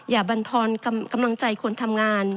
อย่าบันทรกำลังใจคนทำงาน